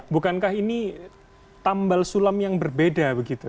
bukankah ini tambal sulam yang berbeda begitu